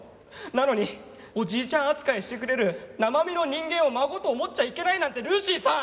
なのにおじいちゃん扱いしてくれる生身の人間を孫と思っちゃいけないなんてルーシーさん